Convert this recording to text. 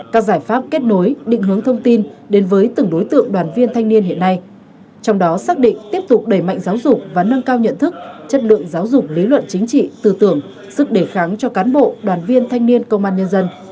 các giải pháp kết nối định hướng thông tin đến với từng đối tượng đoàn viên thanh niên hiện nay trong đó xác định tiếp tục đẩy mạnh giáo dục và nâng cao nhận thức chất lượng giáo dục lý luận chính trị tư tưởng sức đề kháng cho cán bộ đoàn viên thanh niên công an nhân dân